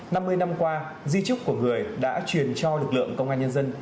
năm mươi năm qua di trúc của người đã truyền cho lực lượng công an nhân dân